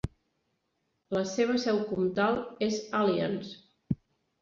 La seva seu comtal és Alliance.